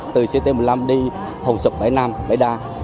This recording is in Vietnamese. từ ct một mươi năm đi hồn sục bãi nam bãi đa